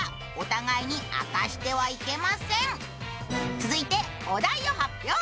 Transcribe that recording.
続いてお題を発表。